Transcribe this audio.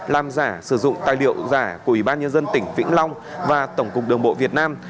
làm giả sử dụng tài liệu giả của ủy ban nhân dân tỉnh vĩnh long và tổng cục đường bộ việt nam